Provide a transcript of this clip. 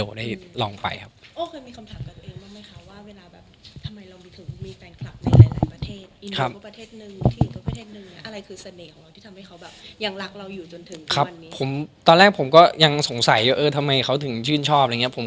โอ้ก็เคยมีคำถามกับตัวเองว่าไหมคะว่าเวลาแบบทำไมเรามีแฟนคลับในหลายประเทศอินโดก็ประเทศหนึ่งที่อีกก็ประเทศหนึ่งอะไรคือเสน่ห์ของเราที่ทำให้เขายังรักเราอยู่จนถึงที่วันนี้